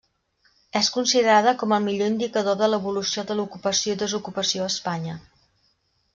És considerada com el millor indicador de l'evolució de l'ocupació i desocupació a Espanya.